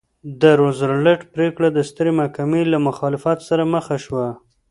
د روزولټ پرېکړه د سترې محکمې له مخالفت سره مخ شوه.